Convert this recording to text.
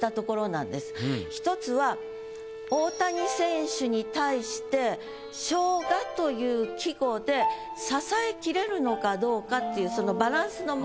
１つは大谷選手に対して「生姜」という季語で支えきれるのかどうかっていう。